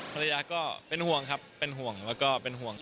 ภรรยาก็เป็นห่วงครับเป็นห่วงแล้วก็เป็นห่วง